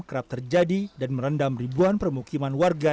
kerap terjadi dan merendam ribuan permukiman warga